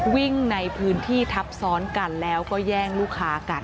วิ่งในพื้นที่ทับซ้อนกันแล้วก็แย่งลูกค้ากัน